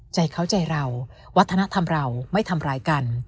ใจเขาใจเราวัฒนธรรมเราไม่ทำร้ายกัน